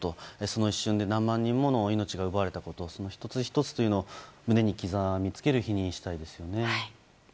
その一瞬で何万人もの命が奪われたということその１つ１つというのを胸に刻み付ける日にしたいですよね。